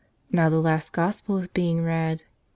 Now the last Gospel is being read.